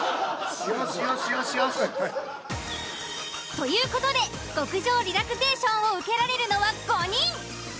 という事で極上リラクゼーションを受けられるのは５人。